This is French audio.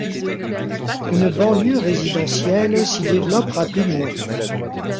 Une banlieue résidentielle s'y développe rapidement.